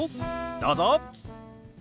どうぞ。